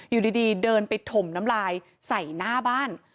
อยู่ดีเดินไปถมน้ำลายใส่หน้าบ้าน